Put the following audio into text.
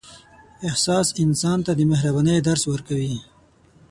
احساس انسان ته د مهربانۍ درس ورکوي.